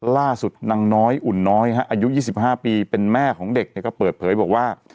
ล่าสุดนางน้อยอุ่นน้อยอายุ๒๕ปีเป็นแม่ของเด็กก็เปิดเผยบอกว่า